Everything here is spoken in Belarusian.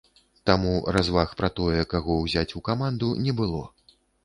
Таму разваг пра тое, каго ўзяць у каманду, не было.